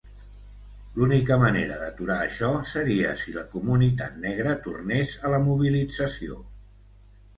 L'única manera d'aturar això seria si la comunitat negra tornés a la mobilització.